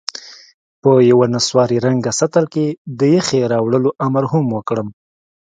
په یوه نسواري رنګه سطل کې د یخې راوړلو امر هم وکړم.